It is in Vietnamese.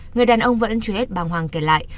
người đàn ông vẫn chú ý hết bàng hoàng kể lại